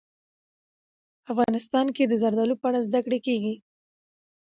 افغانستان کې د زردالو په اړه زده کړه کېږي.